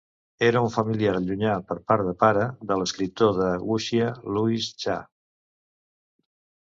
Era un familiar llunyà per part depara de l'escriptor de wuxia Louis Cha.